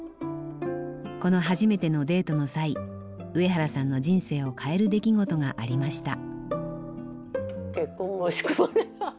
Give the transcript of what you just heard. この初めてのデートの際上原さんの人生を変える出来事がありました。